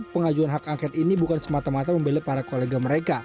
pengajuan hak angket ini bukan semata mata membeli para kolega mereka